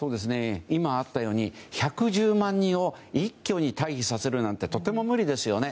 今あったように１１０万人を一挙に退避させるなんてとても無理ですよね。